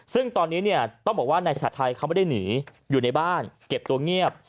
ซึ่งตอนนี้เนี่ยต้องบอกว่านายฉัดไทยเขาไม่ได้หนีอยู่ในบ้านเก็บตัวเงียบ